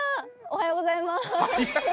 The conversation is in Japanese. おはようございます。